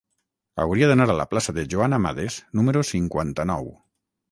Hauria d'anar a la plaça de Joan Amades número cinquanta-nou.